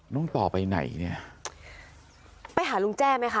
น้องต่อไปไหนเนี่ยไปหาลุงแจ้ไหมคะ